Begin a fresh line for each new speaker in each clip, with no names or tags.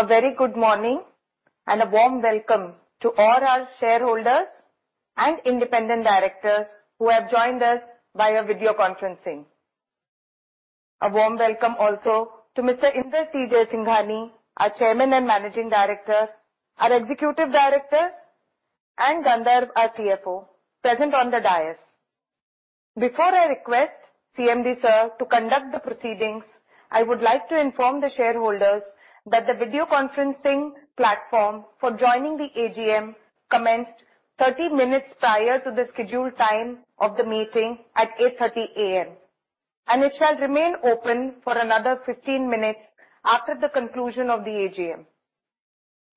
A very good morning and a warm welcome to all our shareholders and independent directors who have joined us via video conferencing. A warm welcome also to Mr. Inder T. Jaisinghani, our Chairman and Managing Director, our Executive Director, and Gandharv, our CFO, present on the dais. Before I request CMD Sir to conduct the proceedings, I would like to inform the shareholders that the video conferencing platform for joining the AGM commenced 30 minutes prior to the scheduled time of the meeting at 8:30 A.M., and it shall remain open for another 15 minutes after the conclusion of the AGM.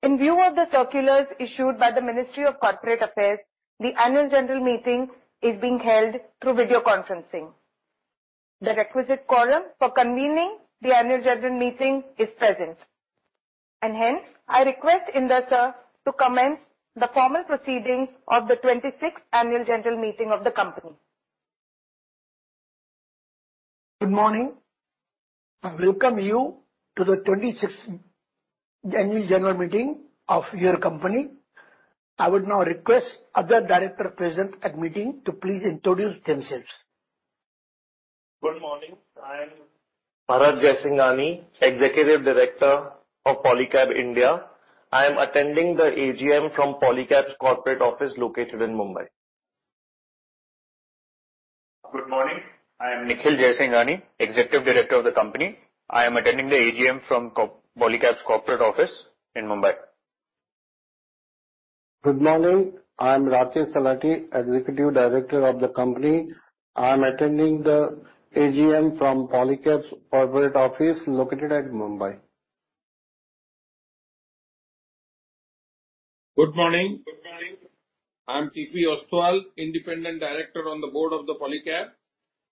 In view of the circulars issued by the Ministry of Corporate Affairs, the Annual General Meeting is being held through video conferencing. The requisite quorum for convening the Annual General Meeting is present, and hence I request Inder Sir to commence the formal proceedings of the 26th Annual General Meeting of the company.
Good morning. I welcome you to the 26th Annual General Meeting of your company. I would now request other directors present at the meeting to please introduce themselves.
Good morning. I am Bharat Jaisinghani, Executive Director of Polycab India. I am attending the AGM from Polycab's Corporate Office located in Mumbai.
Good morning. I am Nikhil Jaisinghani, Executive Director of the company. I am attending the AGM from Polycab's Corporate Office in Mumbai.
Good morning. I am Rakesh Talati, Executive Director of the company. I am attending the AGM from Polycab's Corporate Office located at Mumbai.
Good morning. I am T. P. Ostwal, Independent Director on the Board of the Polycab.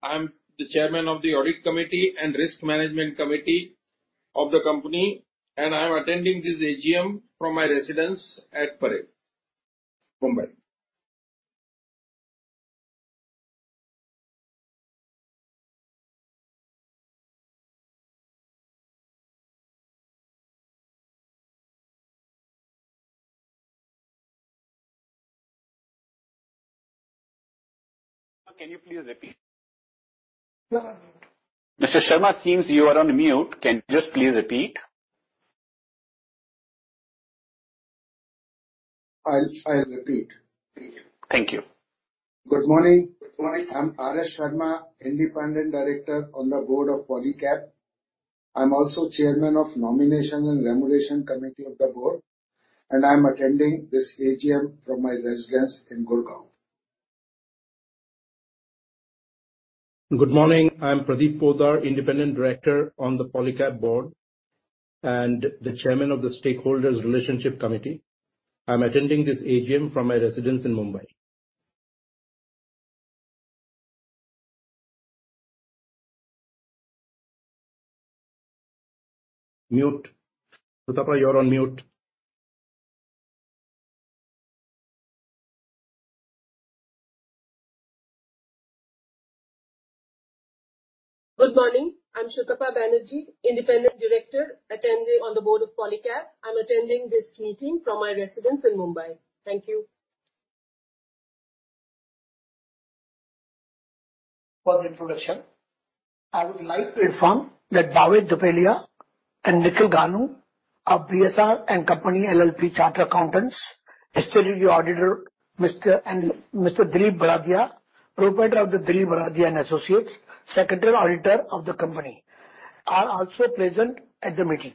I am the Chairman of the Audit Committee and Risk Management Committee of the company, and I am attending this AGM from my residence at Parel, Mumbai.
Can you please repeat? Mr. Sharma, it seems you are on mute. Can you just please repeat?
I'll repeat.
Thank you.
Good morning. I'm R. S. Sharma, Independent Director on the Board of Polycab. I'm also Chairman of the Nomination and Remuneration Committee of the Board, and I am attending this AGM from my residence in Gurgaon.
Good morning. I'm Pradeep Poddar, Independent Director on the Polycab Board and the Chairman of the Stakeholders Relationship Committee. I'm attending this AGM from my residence in Mumbai. Mute. Sutapa, you're on mute.
Good morning. I'm Sutapa Banerjee, Independent Director attending on the Board of Polycab. I'm attending this meeting from my residence in Mumbai. Thank you.
For the introduction, I would like to inform that Bhavesh Dhupelia, Partner at BSR & Co. LLP, Chartered Accountants. Mr. Dilip Bharadiya, Proprietor of Dilip Bharadiya & Associates, Secretarial Auditor of the company, is also present at the meeting.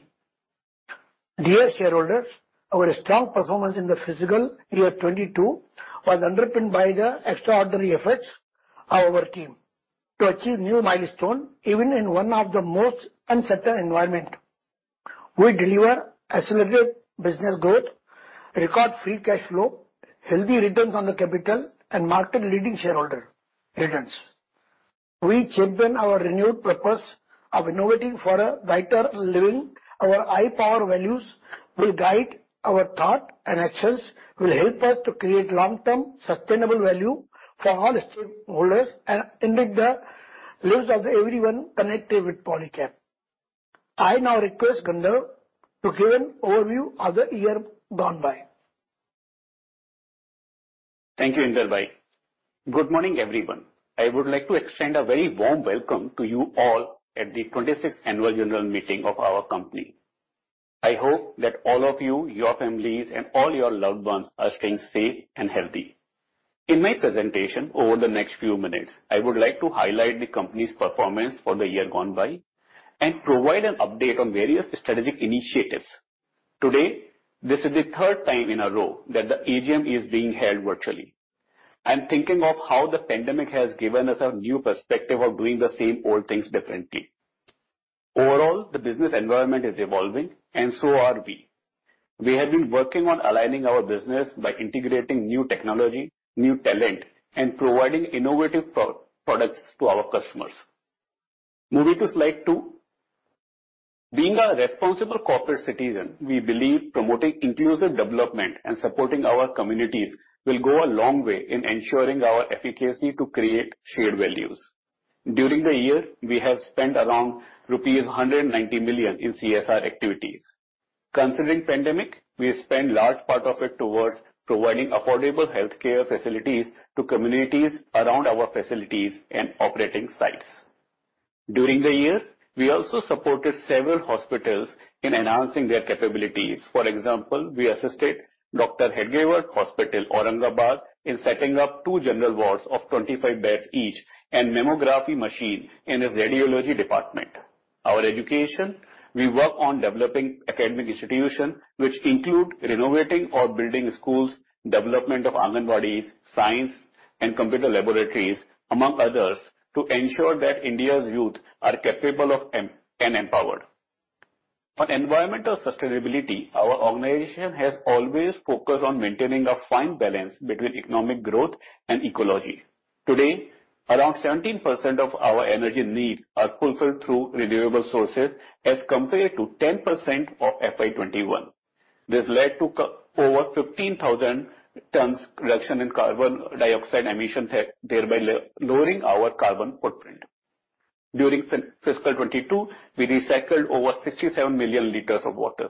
Dear shareholders, our strong performance in the fiscal year 2022 was underpinned by the extraordinary efforts of our team to achieve new milestones even in one of the most uncertain environments. We deliver accelerated business growth, record free cash flow, healthy returns on the capital, and market-leading shareholder returns. We champion our renewed purpose of innovating for a brighter living. Our high-power values will guide our thought and actions, will help us to create long-term sustainable value for all stakeholders and enrich the lives of everyone connected with Polycab. I now request Gandharv to give an overview of the year gone by.
Thank you, Inder Jaisinghani. Good morning, everyone. I would like to extend a very warm welcome to you all at the 26th Annual General Meeting of our company. I hope that all of you, your families, and all your loved ones are staying safe and healthy. In my presentation over the next few minutes, I would like to highlight the company's performance for the year gone by and provide an update on various strategic initiatives. Today, this is the third time in a row that the AGM is being held virtually. I'm thinking of how the pandemic has given us a new perspective of doing the same old things differently. Overall, the business environment is evolving, and so are we. We have been working on aligning our business by integrating new technology, new talent, and providing innovative products to our customers. Moving to slide two. Being a responsible corporate citizen, we believe promoting inclusive development and supporting our communities will go a long way in ensuring our efficacy to create shared values. During the year, we have spent around rupees 190 million in CSR activities. Considering the pandemic, we spent a large part of it towards providing affordable healthcare facilities to communities around our facilities and operating sites. During the year, we also supported several hospitals in enhancing their capabilities. For example, we assisted Dr. Hedgewar Hospital, Aurangabad, in setting up two general wards of 25 beds each and a mammography machine in the radiology department. Our education: We work on developing academic institutions which include renovating or building schools, the development of Anganwadis, science and computer laboratories, among others, to ensure that India's youth are capable and empowered. On environmental sustainability, our organization has always focused on maintaining a fine balance between economic growth and ecology. Today, around 17% of our energy needs are fulfilled through renewable sources as compared to 10% of FY2021. This led to over 15,000 tons reduction in carbon dioxide emissions, thereby lowering our carbon footprint. During fiscal 2022, we recycled over 67 million liters of water.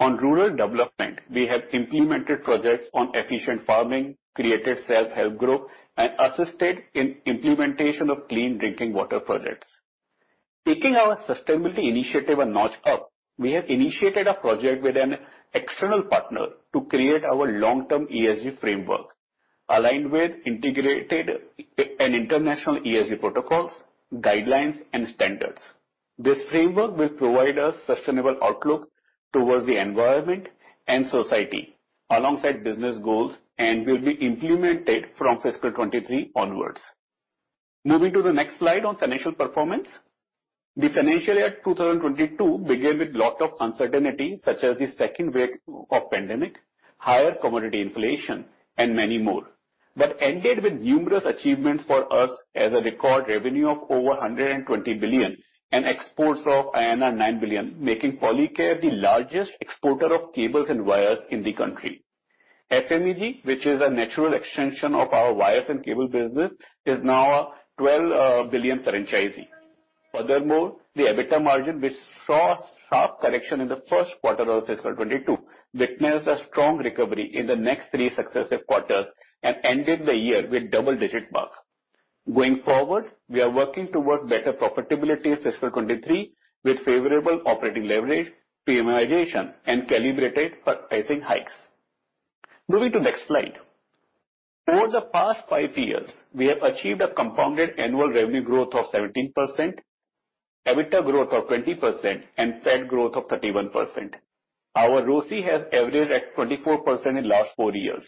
On rural development, we have implemented projects on efficient farming, created self-help groups, and assisted in the implementation of clean drinking water projects. Taking our sustainability initiative a notch up, we have initiated a project with an external partner to create our long-term ESG framework aligned with integrated and international ESG protocols, guidelines, and standards. This framework will provide us a sustainable outlook towards the environment and society alongside business goals and will be implemented from fiscal 23 onwards. Moving to the next slide on financial performance, the financial year 2022 began with a lot of uncertainty, such as the second wave of the pandemic, higher commodity inflation, and many more, but ended with numerous achievements for us as a record revenue of over 120 billion and exports of INR 9 billion, making Polycab the largest exporter of cables and wires in the country. FMEG, which is a natural extension of our wires and cable business, is now a 12 billion franchisee. Furthermore, the EBITDA margin, which saw a sharp correction in the first quarter of fiscal 2022, witnessed a strong recovery in the next three successive quarters and ended the year with a double-digit mark. Going forward, we are working towards better profitability in fiscal 2023 with favorable operating leverage, premiumization, and calibrated pricing hikes. Moving to the next slide. Over the past five years, we have achieved a compounded annual revenue growth of 17%, EBITDA growth of 20%, and PAT growth of 31%. Our ROCE has averaged at 24% in the last four years.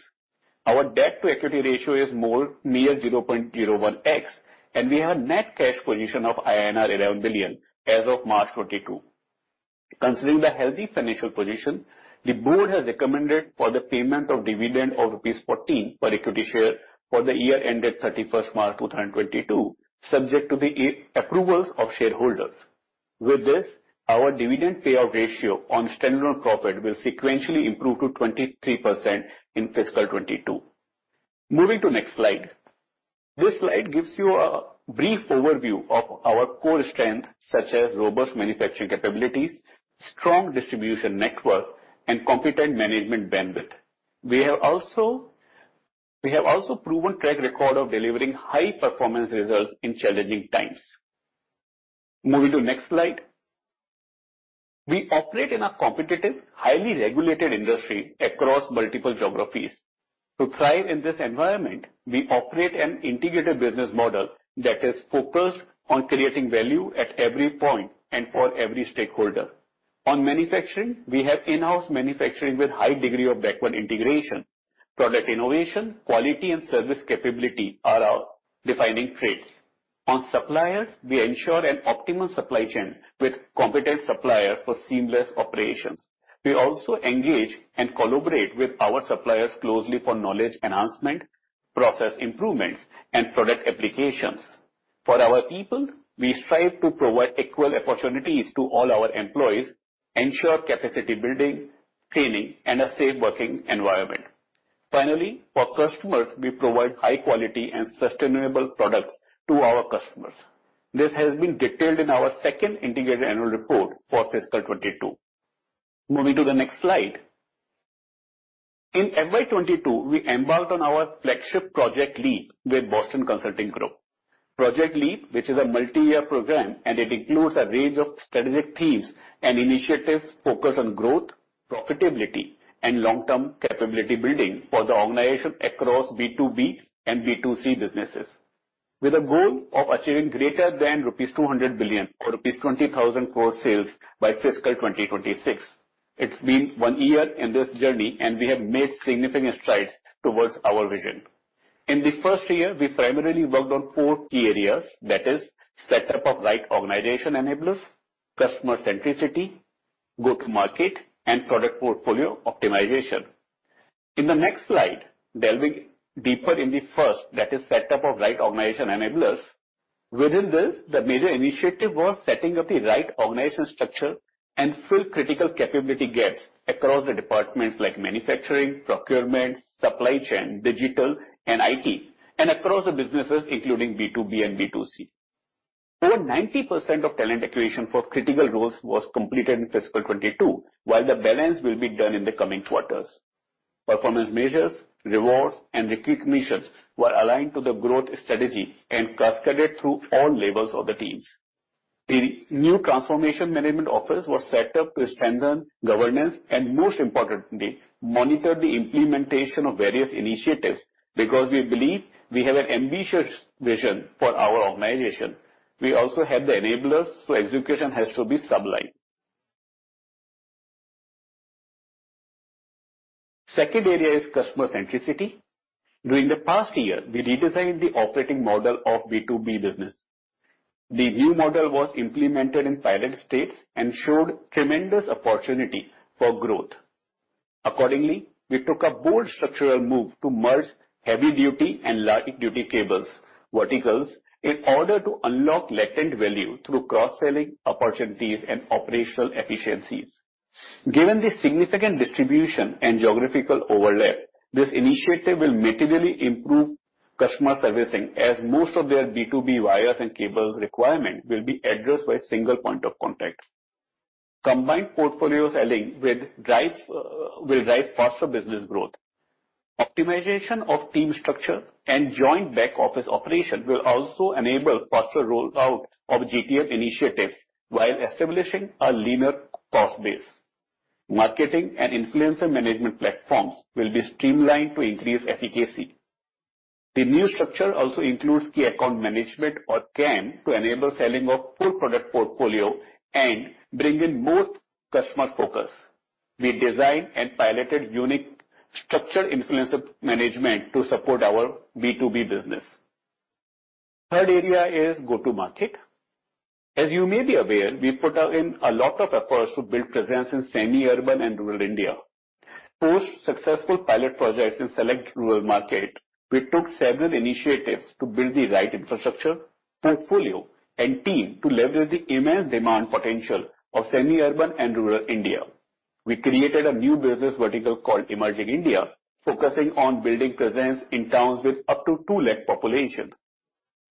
Our debt-to-equity ratio is more than near 0.01x, and we have a net cash position of INR 11 billion as of March 2022. Considering the healthy financial position, the board has recommended the payment of a dividend of rupees 14 per equity share for the year ended 31st March 2022, subject to the approvals of shareholders. With this, our dividend payout ratio on standalone profit will sequentially improve to 23% in fiscal 2022. Moving to the next slide. This slide gives you a brief overview of our core strengths, such as robust manufacturing capabilities, strong distribution network, and competent management bandwidth. We have also proven a track record of delivering high-performance results in challenging times. Moving to the next slide. We operate in a competitive, highly regulated industry across multiple geographies. To thrive in this environment, we operate an integrated business model that is focused on creating value at every point and for every stakeholder. On manufacturing, we have in-house manufacturing with a high degree of backward integration. Product innovation, quality, and service capability are our defining traits. On suppliers, we ensure an optimum supply chain with competent suppliers for seamless operations. We also engage and collaborate with our suppliers closely for knowledge enhancement, process improvements, and product applications. For our people, we strive to provide equal opportunities to all our employees, ensure capacity building, training, and a safe working environment. Finally, for customers, we provide high-quality and sustainable products to our customers. This has been detailed in our second integrated annual report for fiscal 2022. Moving to the next slide. In FY2022, we embarked on our flagship project, LEAP, with Boston Consulting Group. Project LEAP, which is a multi-year program, includes a range of strategic themes and initiatives focused on growth, profitability, and long-term capability building for the organization across B2B and B2C businesses, with a goal of achieving greater than rupees 200 billion or rupees 20,000 gross sales by fiscal 2026. It's been one year in this journey, and we have made significant strides towards our vision. In the first year, we primarily worked on four key areas, that is, setup of right organization enablers, customer centricity, go-to-market, and product portfolio optimization. In the next slide, delving deeper in the first, that is, setup of right organization enablers. Within this, the major initiative was setting up the right organization structure and fill critical capability gaps across the departments like manufacturing, procurement, supply chain, digital, and IT, and across the businesses, including B2B and B2C. Over 90% of talent acquisition for critical roles was completed in fiscal 2022, while the balance will be done in the coming quarters. Performance measures, rewards, and recognitions were aligned to the growth strategy and cascaded through all levels of the teams. The new transformation management offers were set up to strengthen governance and, most importantly, monitor the implementation of various initiatives because we believe we have an ambitious vision for our organization. We also have the enablers, so execution has to be sublime. The second area is customer centricity. During the past year, we redesigned the operating model of B2B business. The new model was implemented in pilot states and showed tremendous opportunity for growth. Accordingly, we took a bold structural move to merge heavy-duty and light-duty cables, verticals, in order to unlock latent value through cross-selling opportunities and operational efficiencies. Given the significant distribution and geographical overlap, this initiative will materially improve customer servicing, as most of their B2B wires and cables requirements will be addressed by a single point of contact. Combined portfolios will drive faster business growth. Optimization of team structure and joint back office operation will also enable faster rollout of GTM initiatives while establishing a leaner cost base. Marketing and influencer management platforms will be streamlined to increase efficacy. The new structure also includes key account management or CAM to enable selling of full product portfolio and bring in more customer focus. We designed and piloted unique structured influencer management to support our B2B business. The third area is go-to-market. As you may be aware, we put in a lot of efforts to build presence in semi-urban and rural India. Post-successful pilot projects in select rural markets, we took several initiatives to build the right infrastructure, portfolio, and team to leverage the immense demand potential of semi-urban and rural India. We created a new business vertical called Emerging India, focusing on building presence in towns with up to 2 lakh population.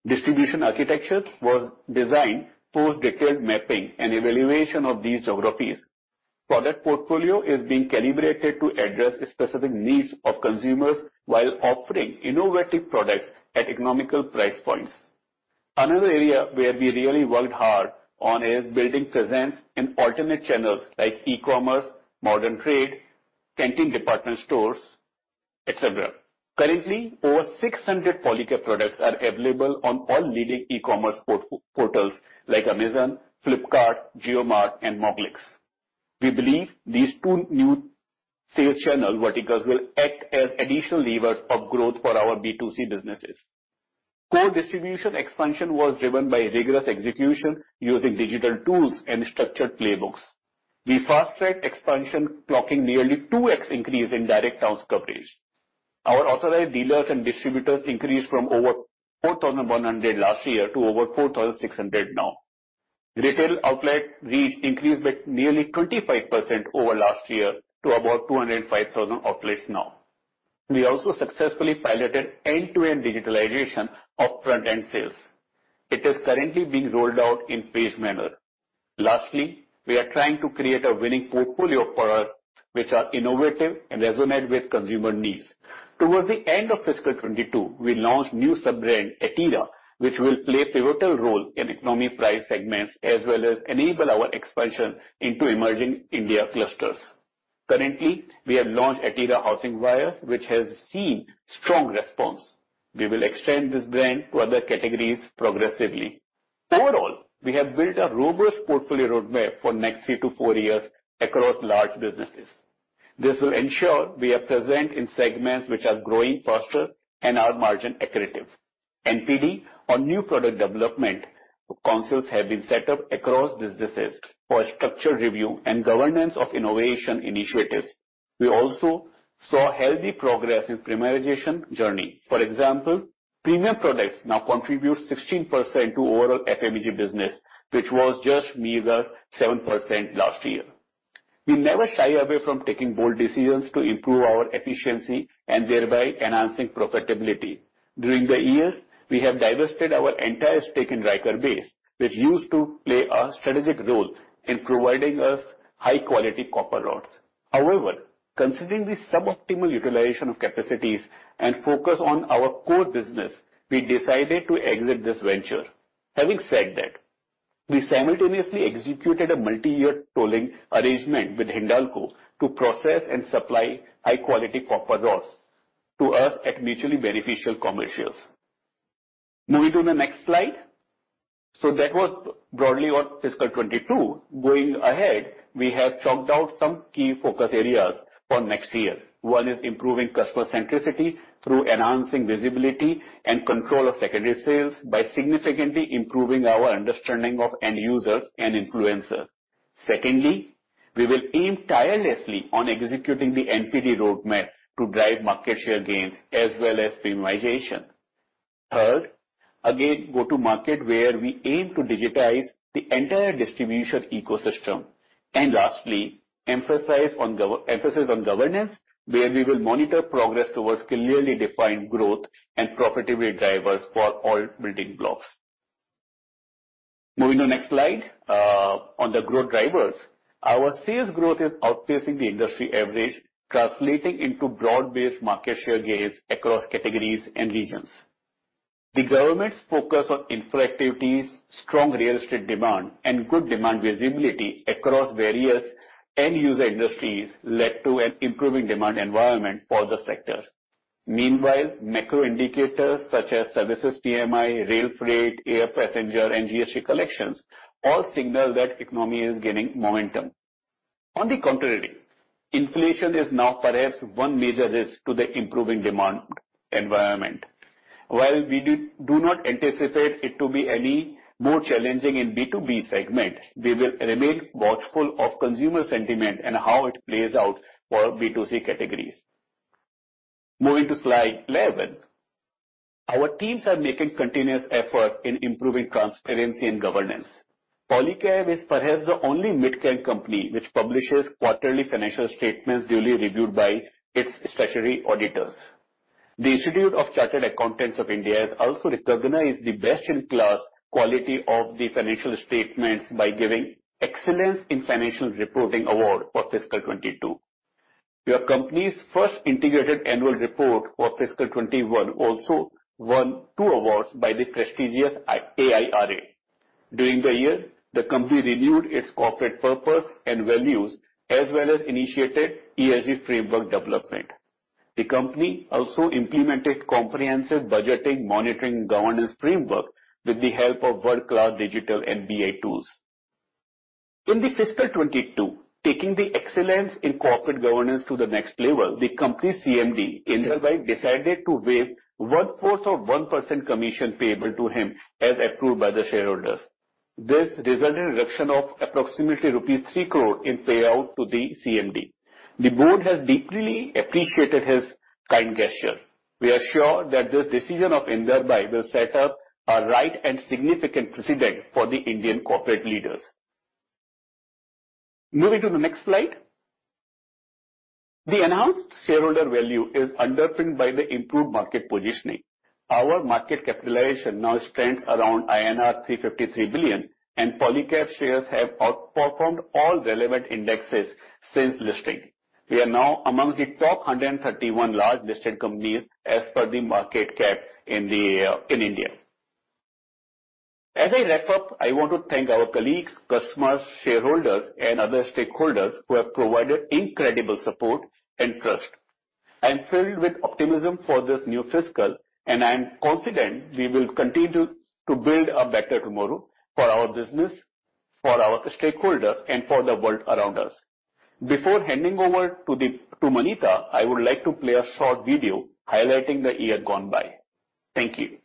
Distribution architecture was designed post-detailed mapping and evaluation of these geographies. Product portfolio is being calibrated to address specific needs of consumers while offering innovative products at economical price points. Another area where we really worked hard on is building presence in alternate channels like e-commerce, modern trade, canteen department stores, etc. Currently, over 600 Polycab products are available on all leading e-commerce portals like Amazon, Flipkart, JioMart, and Moglix. We believe these two new sales channel verticals will act as additional levers of growth for our B2C businesses. Core distribution expansion was driven by rigorous execution using digital tools and structured playbooks. We fast-tracked expansion, clocking nearly 2x increase in direct towns coverage. Our authorized dealers and distributors increased from over 4,100 last year to over 4,600 now. Retail outlet reach increased by nearly 25% over last year to about 205,000 outlets now. We also successfully piloted end-to-end digitalization of front-end sales. It is currently being rolled out in phased manner. Lastly, we are trying to create a winning portfolio for us, which are innovative and resonate with consumer needs. Towards the end of fiscal 2022, we launched a new sub-brand, Etira, which will play a pivotal role in economy price segments as well as enable our expansion into emerging India clusters. Currently, we have launched Etira Housing Wires, which has seen strong response. We will extend this brand to other categories progressively. Overall, we have built a robust portfolio roadmap for the next three to four years across large businesses. This will ensure we are present in segments which are growing faster and are margin-accurate. NPD on new product development councils have been set up across businesses for structured review and governance of innovation initiatives. We also saw healthy progress in the premiumization journey. For example, premium products now contribute 16% to overall FMEG business, which was just meager 7% last year. We never shy away from taking bold decisions to improve our efficiency and thereby enhancing profitability. During the year, we have divested our entire stake in Ryker Base, which used to play a strategic role in providing us high-quality copper rods. However, considering the suboptimal utilization of capacities and focus on our core business, we decided to exit this venture. Having said that, we simultaneously executed a multi-year tolling arrangement with Hindalco to process and supply high-quality copper rods to us at mutually beneficial commercials. Moving to the next slide. So that was broadly on fiscal 2022. Going ahead, we have chalked out some key focus areas for next year. One is improving customer centricity through enhancing visibility and control of secondary sales by significantly improving our understanding of end users and influencers. Secondly, we will aim tirelessly on executing the NPD roadmap to drive market share gains as well as premiumization. Third, again, go-to-market where we aim to digitize the entire distribution ecosystem. And lastly, emphasis on governance, where we will monitor progress towards clearly defined growth and profitability drivers for all building blocks. Moving to the next slide on the growth drivers, our sales growth is outpacing the industry average, translating into broad-based market share gains across categories and regions. The government's focus on infra activities, strong real estate demand, and good demand visibility across various end user industries led to an improving demand environment for the sector. Meanwhile, macro indicators such as services PMI, rail freight, air passenger, and GST collections all signal that the economy is gaining momentum. On the contrary, inflation is now perhaps one major risk to the improving demand environment. While we do not anticipate it to be any more challenging in the B2B segment, we will remain watchful of consumer sentiment and how it plays out for B2C categories. Moving to slide 11, our teams are making continuous efforts in improving transparency and governance. Polycab is perhaps the only mid-cap company which publishes quarterly financial statements duly reviewed by its statutory auditors. The Institute of Chartered Accountants of India has also recognized the best-in-class quality of the financial statements by giving the Excellence in Financial Reporting Award for fiscal 2022. Your company's first integrated annual report for fiscal 2021 also won two awards by the prestigious AIRA. During the year, the company renewed its corporate purpose and values, as well as initiated ESG framework development. The company also implemented a comprehensive budgeting, monitoring, and governance framework with the help of world-class digital and BI tools. In the fiscal 2022, taking the excellence in corporate governance to the next level, the company's CMD, Inder Jaisinghani, decided to waive 1/4 of 1% commission payable to him as approved by the shareholders. This resulted in a reduction of approximately 3 crore rupees in payout to the CMD. The board has deeply appreciated his kind gesture. We are sure that this decision of Inder Jaisinghani will set up a right and significant precedent for the Indian corporate leaders. Moving to the next slide, the enhanced shareholder value is underpinned by the improved market positioning. Our market capitalization now strengthens around INR 353 billion, and Polycab shares have outperformed all relevant indexes since listing. We are now among the top 131 large-listed companies as per the market cap in India. As I wrap up, I want to thank our colleagues, customers, shareholders, and other stakeholders who have provided incredible support and trust. I'm filled with optimism for this new fiscal, and I'm confident we will continue to build a better tomorrow for our business, for our stakeholders, and for the world around us. Before handing over to Manita, I would like to play a short video highlighting the year gone by. Thank you.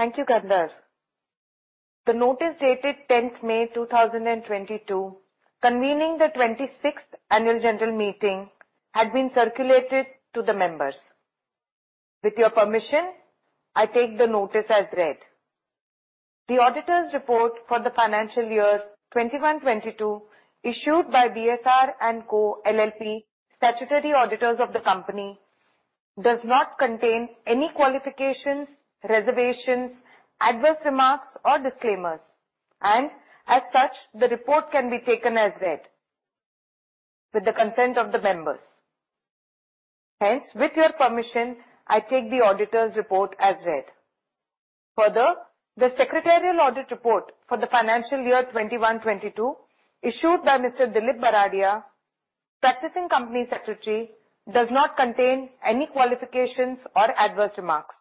Thank you, Gandharv. The notice dated 10th May 2022 convening the 26th Annual General Meeting had been circulated to the members. With your permission, I take the notice as read. The auditor's report for the financial year 21-22, issued by BSR & Co. LLP, statutory auditors of the company, does not contain any qualifications, reservations, adverse remarks, or disclaimers, and as such, the report can be taken as read with the consent of the members. Hence, with your permission, I take the auditor's report as read. Further, the secretarial audit report for the financial year 21-22, issued by Mr. Dilip Bharadiya, practicing company secretary, does not contain any qualifications or adverse remarks.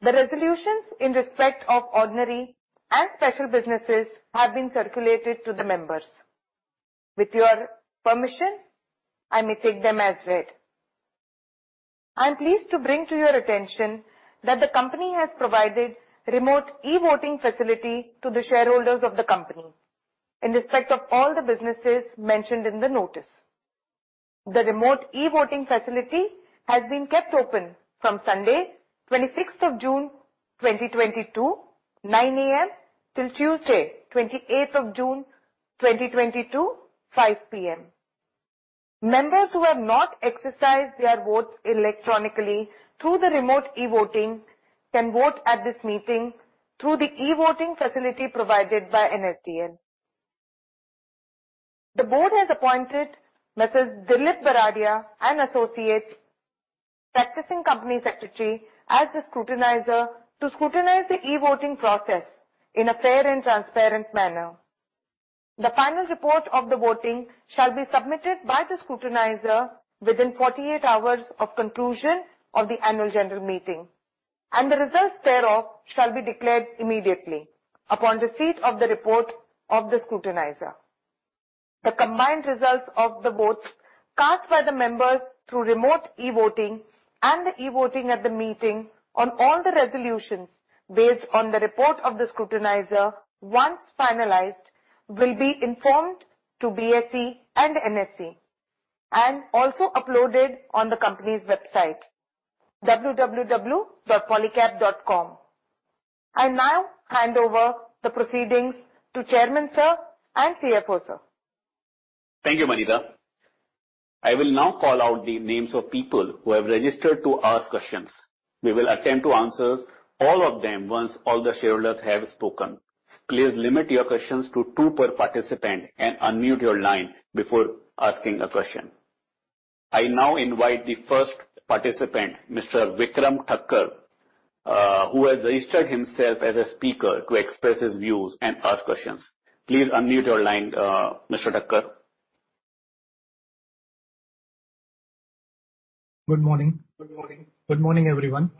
The resolutions in respect of ordinary and special businesses have been circulated to the members. With your permission, I may take them as read. I'm pleased to bring to your attention that the company has provided a remote e-voting facility to the shareholders of the company in respect of all the businesses mentioned in the notice. The remote e-voting facility has been kept open from Sunday, 26th June 2022, 9:00 A.M. till Tuesday, 28th June 2022, 5:00 P.M. Members who have not exercised their votes electronically through the remote e-voting can vote at this meeting through the e-voting facility provided by NSDL. The board has appointed Mr. Dilip Bharadiya and Associates, practicing company secretary, as the scrutinizer to scrutinize the e-voting process in a fair and transparent manner. The final report of the voting shall be submitted by the scrutinizer within 48 hours of conclusion of the annual general meeting, and the results thereof shall be declared immediately upon receipt of the report of the scrutinizer. The combined results of the votes cast by the members through remote e-voting and the e-voting at the meeting on all the resolutions based on the report of the scrutinizer once finalized will be informed to BSE and NSE and also uploaded on the company's website, www.polycab.com. I now hand over the proceedings to Chairman Sir and CFO Sir.
Thank you, Manita. I will now call out the names of people who have registered to ask questions. We will attempt to answer all of them once all the shareholders have spoken. Please limit your questions to two per participant and unmute your line before asking a question. I now invite the first participant, Mr. Vikram Thakkar, who has registered himself as a speaker to express his views and ask questions. Please unmute your line, Mr. Thakkar. Good morning. Good morning, everyone.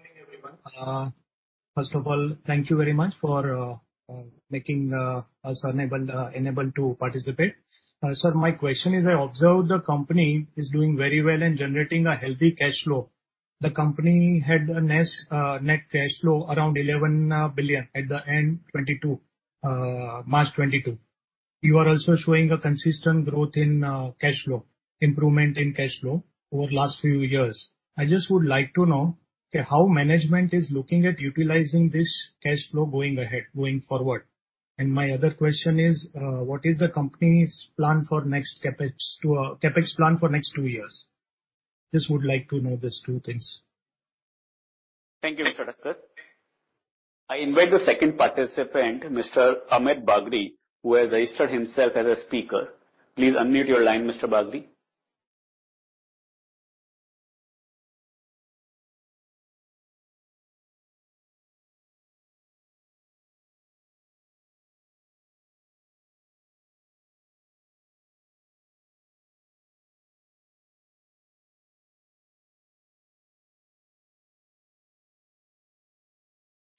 First of all, thank you very much for making us enabled to participate. Sir, my question is, I observed the company is doing very well and generating a healthy cash flow. The company had a net cash flow around 11 billion at the end of March 2022. You are also showing a consistent growth in cash flow, improvement in cash flow over the last few years. I just would like to know how management is looking at utilizing this cash flow going ahead, going forward. And my other question is, what is the company's plan for next CAPEX plan for next two years? Just would like to know these two things. Thank you, Mr. Thakkar I invite the second participant, Mr. Amit Bagri, who has registered himself as a speaker. Please unmute your line, Mr. Bagri.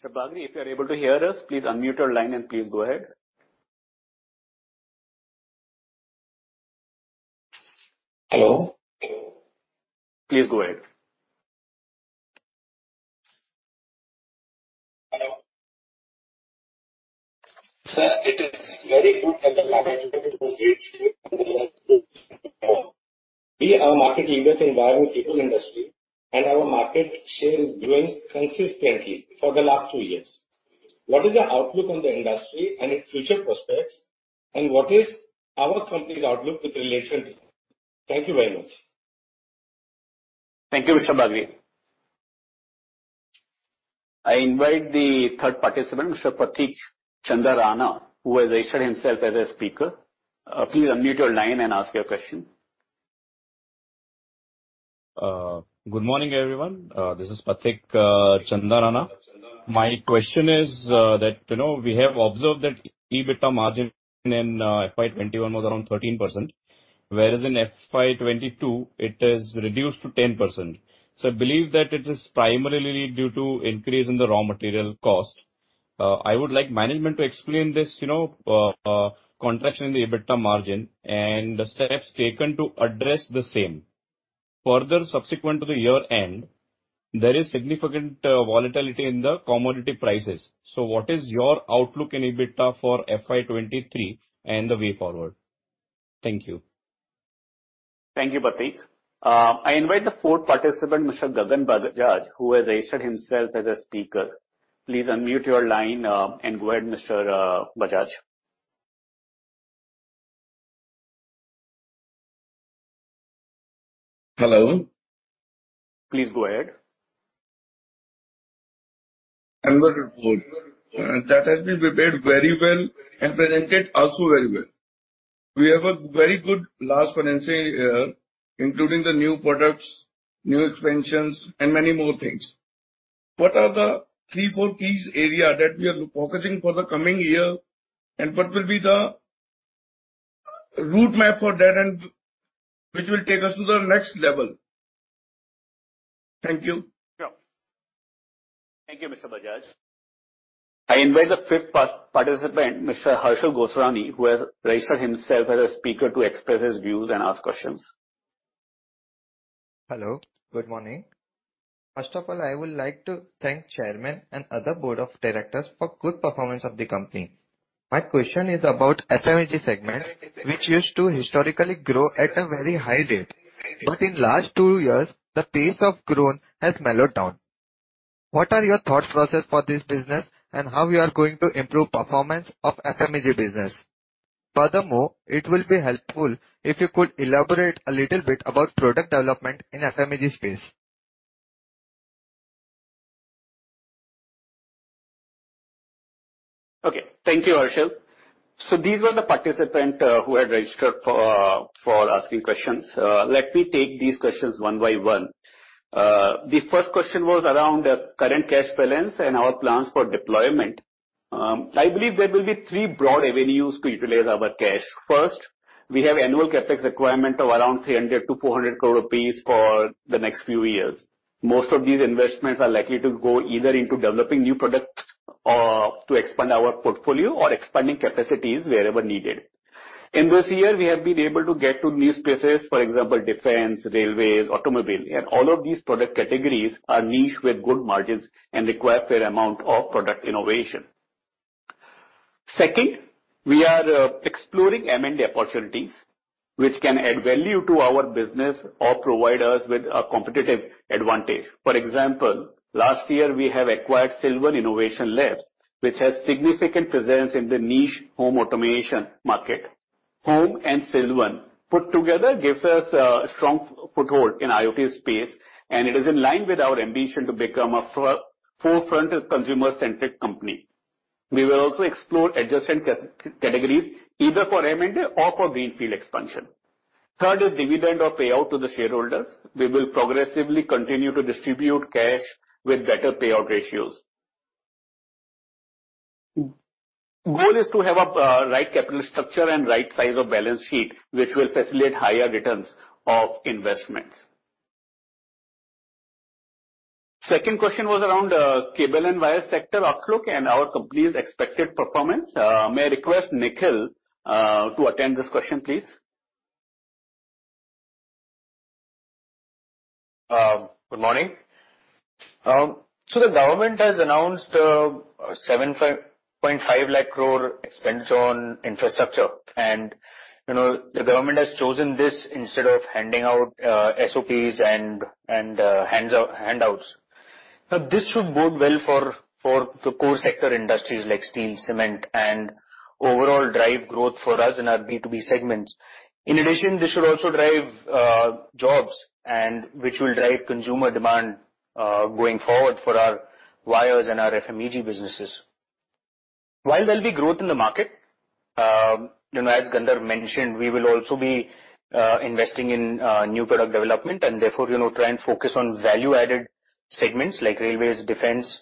Mr. Bagri, if you are able to hear us, please unmute your line and please go ahead. Hello. Sir, it is very good that the market share is. We are a market leader in the bio-medical industry, and our market share is growing consistently for the last two years. What is the outlook on the industry and its future prospects, and what is our company's outlook with relation to it? Thank you very much. Thank you, Mr. Bagri. I invite the third participant, Mr. Pathik Chandarana, who has registered himself as a speaker. Please unmute your line and ask your question. Good morning, everyone. This is Pathik Chandarana. My question is that we have observed that EBITDA margin in FY2021 was around 13%, whereas in FY2022, it has reduced to 10%. So I believe that it is primarily due to an increase in the raw material cost. I would like management to explain this contraction in the EBITDA margin and the steps taken to address the same. Further, subsequent to the year-end, there is significant volatility in the commodity prices. So what is your outlook in EBITDA for FY2023 and the way forward? Thank you. Thank you, Pathik. I invite the fourth participant, Mr. Gagan Bajaj, who has registered himself as a speaker. Please unmute your line and go ahead, Mr. Bajaj. Hello. Please go ahead. Annual report that has been prepared very well and presented also very well. We have a very good last financial year, including the new products, new expansions, and many more things. What are the three, four key areas that we are focusing on for the coming year, and what will be the roadmap for that, which will take us to the next level? Thank you. Thank you, Mr. Bajaj. I invite the fifth participant, Mr. Harshal Gosrani, who has registered himself as a speaker to express his views and ask questions. Hello. Good morning. First of all, I would like to thank the Chairman and the other board of directors for the good performance of the company. My question is about the FMEG segment, which used to historically grow at a very high rate. But in the last two years, the pace of growth has mellowed down. What are your thoughts on the process for this business and how you are going to improve the performance of the FMEG business? Furthermore, it will be helpful if you could elaborate a little bit about product development in the FMEG space. Okay. Thank you, Harshal. So these were the participants who had registered for asking questions. Let me take these questions one by one. The first question was around the current cash balance and our plans for deployment. I believe there will be three broad avenues to utilize our cash. First, we have an annual CAPEX requirement of around 300-400 crore rupees for the next few years. Most of these investments are likely to go either into developing new products or to expand our portfolio or expanding capacities wherever needed. In this year, we have been able to get to new spaces, for example, defense, railways, automobile, and all of these product categories are niche with good margins and require a fair amount of product innovation. Second, we are exploring M&A opportunities, which can add value to our business or provide us with a competitive advantage. For example, last year, we have acquired Silvan Innovation Labs, which has a significant presence in the niche home automation market. Home and Silvan put together gives us a strong foothold in the IoT space, and it is in line with our ambition to become a forefront consumer-centric company. We will also explore adjacent categories, either for M&A or for greenfield expansion. Third is dividend or payout to the shareholders. We will progressively continue to distribute cash with better payout ratios. The goal is to have a right capital structure and the right size of balance sheet, which will facilitate higher returns of investments. The second question was around the cable and wire sector outlook and our company's expected performance. May I request Nikhil to attend this question, please?
Good morning. So the government has announced a 7.5 lakh crore expenditure on infrastructure, and the government has chosen this instead of handing out SOPs and handouts. Now, this should bode well for the core sector industries like steel, cement, and overall drive growth for us in our B2B segments. In addition, this should also drive jobs, which will drive consumer demand going forward for our wires and our FMEG businesses. While there will be growth in the market, as Gandharv mentioned, we will also be investing in new product development and therefore try and focus on value-added segments like railways, defense.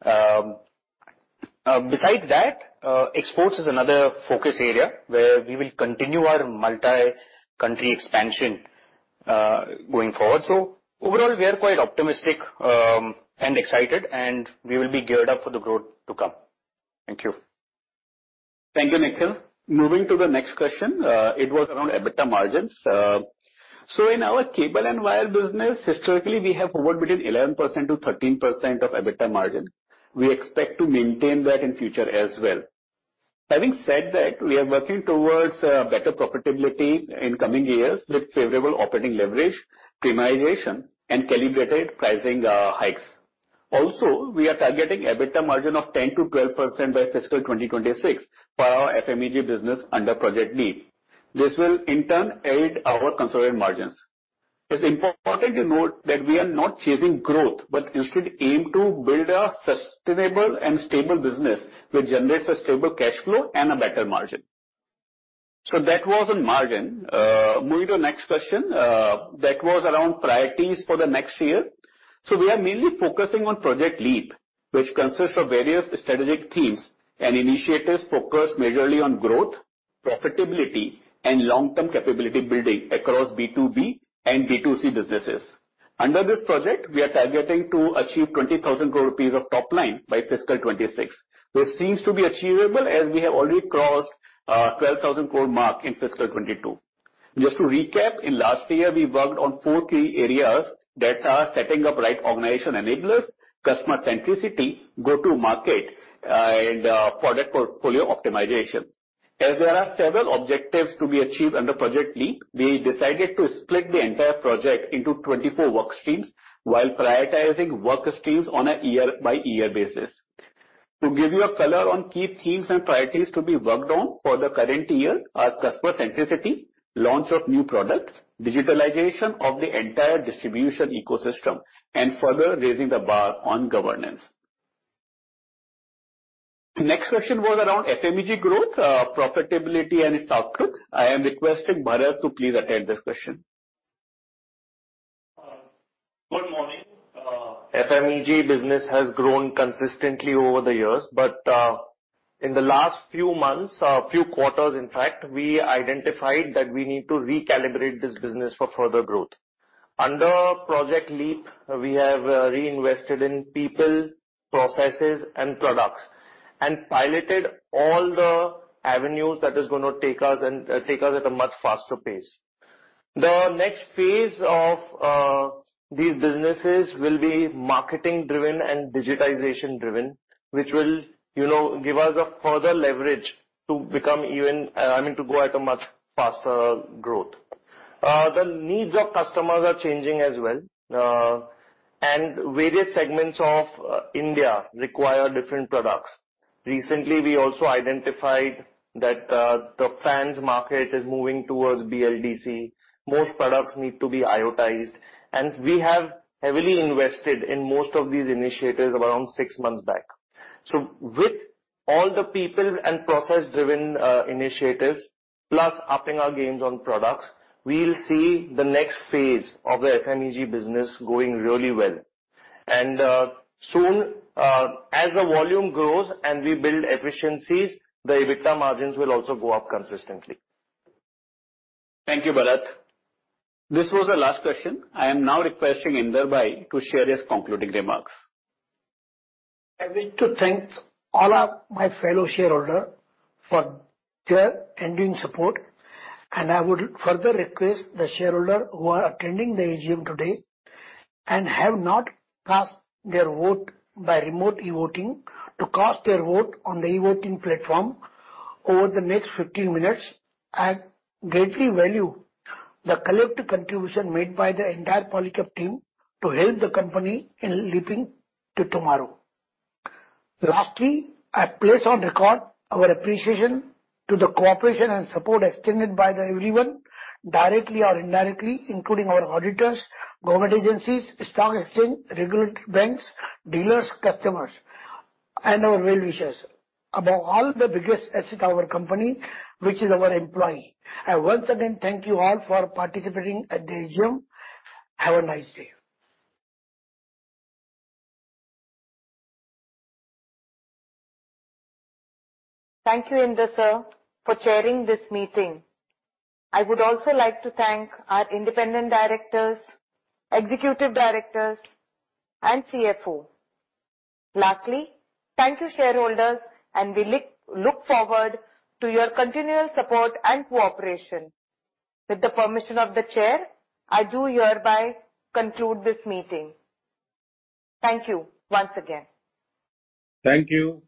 Besides that, exports is another focus area where we will continue our multi-country expansion going forward. So overall, we are quite optimistic and excited, and we will be geared up for the growth to come. Thank you.
Thank you, Nikhil. Moving to the next question, it was around EBITDA margins. So in our cable and wire business, historically, we have hovered between 11%-13% EBITDA margin. We expect to maintain that in the future as well. Having said that, we are working towards better profitability in the coming years with favorable operating leverage, premiumization, and calibrated pricing hikes. Also, we are targeting an EBITDA margin of 10%-12% by fiscal 2026 for our FMEG business under Project LEAP. This will, in turn, aid our consolidated margins. It's important to note that we are not chasing growth, but instead aim to build a sustainable and stable business which generates a stable cash flow and a better margin. So that was on margin. Moving to the next question, that was around priorities for the next year. So we are mainly focusing on Project LEAP, which consists of various strategic themes and initiatives focused majorly on growth, profitability, and long-term capability building across B2B and B2C businesses. Under this project, we are targeting to achieve 20,000 crore rupees of top line by fiscal 2026, which seems to be achievable as we have already crossed the 12,000 crore mark in fiscal 2022. Just to recap, in last year, we worked on four key areas that are setting up right organization enablers, customer centricity, go-to-market, and product portfolio optimization. As there are several objectives to be achieved under Project LEAP, we decided to split the entire project into 24 work streams while prioritizing work streams on a year-by-year basis. To give you a color on key themes and priorities to be worked on for the current year, our customer centricity, launch of new products, digitalization of the entire distribution ecosystem, and further raising the bar on governance. The next question was around FMEG growth, profitability, and its outlook. I am requesting Bharat to please attend this question.
Good morning. FMEG business has grown consistently over the years, but in the last few months, a few quarters, in fact, we identified that we need to recalibrate this business for further growth. Under Project LEAP, we have reinvested in people, processes, and products, and piloted all the avenues that are going to take us at a much faster pace. The next phase of these businesses will be marketing-driven and digitization-driven, which will give us further leverage to become even, I mean, to go at a much faster growth. The needs of customers are changing as well, and various segments of India require different products. Recently, we also identified that the fans market is moving towards BLDC. Most products need to be IoTized, and we have heavily invested in most of these initiatives around six months back. So with all the people and process-driven initiatives, plus upping our gains on products, we'll see the next phase of the FMEG business going really well. And soon, as the volume grows and we build efficiencies, the EBITDA margins will also go up consistently.
Thank you, Bharat. This was the last question. I am now requesting Inder Jaisinghani to share his concluding remarks.
I wish to thank all my fellow shareholders for their enduring support, and I would further request the shareholders who are attending the AGM today and have not cast their vote by remote e-voting to cast their vote on the e-voting platform over the next 15 minutes. I greatly value the collective contribution made by the entire Polycab team to help the company in leaping to tomorrow. Lastly, I place on record our appreciation to the cooperation and support extended by everyone, directly or indirectly, including our auditors, government agencies, stock exchange, regulatory banks, dealers, customers, and our well-wishers. Above all, the biggest asset of our company, which is our employee. I once again thank you all for participating at the AGM. Have a nice day.
Thank you, Inder, sir, for chairing this meeting. I would also like to thank our independent directors, executive directors, and CFO. Lastly, thank you, shareholders, and we look forward to your continual support and cooperation. With the permission of the Chair, I do hereby conclude this meeting. Thank you once again.
Thank you.